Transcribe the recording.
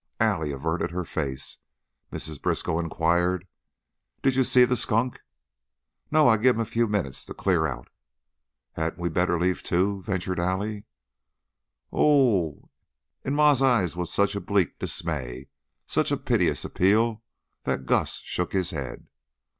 Allie averted her face. Mrs. Briskow inquired, "Did you see the skunk?" "No. I give him a few minutes to clear out." "Hadn't we better leave, too?" ventured Allie. "Oh h!" In Ma's eyes was such bleak dismay, such a piteous appeal, that Gus shook his head.